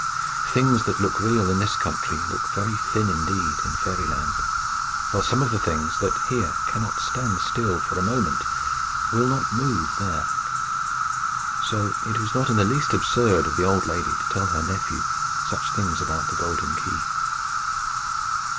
Things that look real in this country look very thin indeed in Fairyland, while some of the things that here cannot stand still for a moment, will not move there. So it was not in the least absurd of the old lady to tell her nephew such things about the golden key.